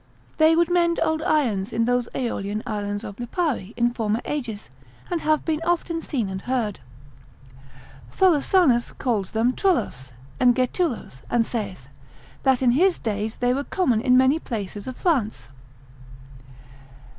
They would mend old irons in those Aeolian isles of Lipari, in former ages, and have been often seen and heard. Tholosanus calls them trullos and Getulos, and saith, that in his days they were common in many places of France.